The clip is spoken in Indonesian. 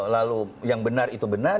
lalu yang benar itu benar